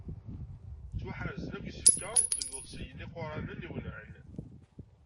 Ttwaḥerzen yakk yisefka deg yiḍebsiyen iquranen iwennɛen.